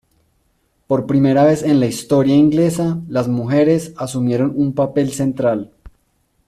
Por primera vez en la historia inglesa, las mujeres asumieron un papel central.